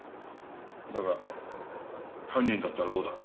だが犯人だったらどうだ？